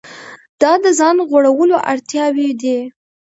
دا د ځان غوړولو اړتیاوې دي.